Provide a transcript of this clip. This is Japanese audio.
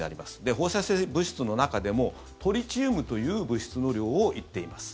放射性物質の中でもトリチウムという物質の量を言っています。